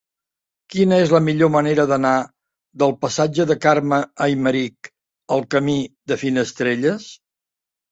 Quina és la millor manera d'anar del passatge de Carme Aymerich al camí de Finestrelles?